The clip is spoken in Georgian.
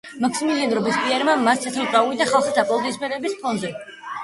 მაქსიმილიან რობესპიერმა მას ცეცხლი წაუკიდა ხალხის აპლოდისმენტების ფონზე.